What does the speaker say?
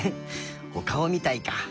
おかおみたいか。